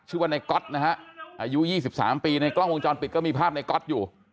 ว่าในก๊อตนะฮะอายุ๒๓ปีในกล้องวงจรปิดก็มีภาพในก๊อตอยู่